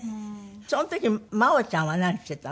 その時真央ちゃんは何していたの？